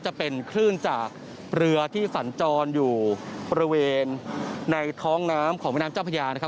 จะเป็นคลื่นจากเรือที่สัญจรอยู่บริเวณในท้องน้ำของแม่น้ำเจ้าพญานะครับ